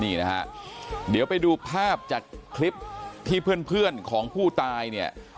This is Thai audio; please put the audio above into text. นี่นะฮะเดี๋ยวไปดูภาพจากคลิปที่เพื่อนของผู้ตายเนี่ย